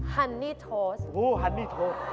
ฮันนี่โทสโอ้ฮันนี่โท